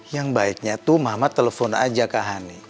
yang baiknya tuh mama telepon aja kak hani